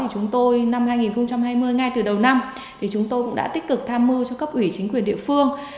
chúng tôi năm hai nghìn hai mươi ngay từ đầu năm chúng tôi cũng đã tích cực tham mưu cho cấp ủy chính quyền địa phương